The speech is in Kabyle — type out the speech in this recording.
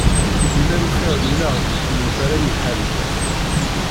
Limer ufiɣ luleɣ-d deg tmurt ara yi-ḥerzen.